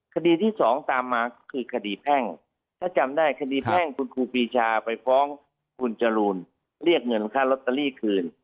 คดีที่สองตามมาคือคดีแพ่งถ้าจำได้คดีแพ่งคุณครูปีชาไปฟ้องคุณจรูนเรียกเงินค่าลอตเตอรี่คืน